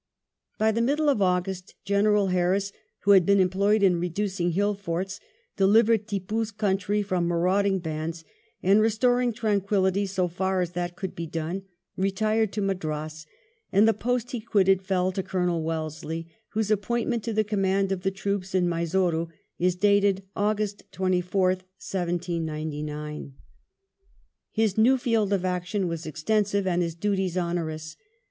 By the middle of August General Harris, who had been employed in reducing hill forts, delivering Tippoo's country from marauding bands, and restoring tranquillity so far as that could be done, retired to Madras, and the post he quitted fell to Colonel Wellesley, whose appoint ment to the command of the troops in Mysore is dated August 24th, 1799. His new field of action was extensive and his duties onerous.